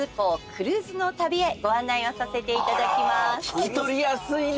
聞き取りやすいね！